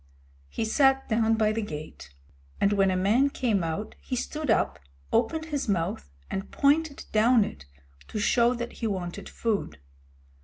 He sat down by the gate, and when a man came out he stood up, opened his mouth, and pointed down it to show that he wanted food.